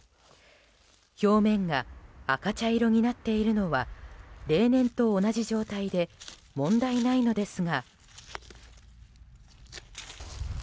表面が赤茶色になっているのは例年と同じ状態で問題ないのですが。